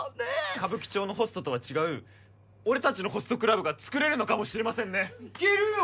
歌舞伎町のホストとは違う俺達のホストクラブが作れるのかもしれませんねいけるよ！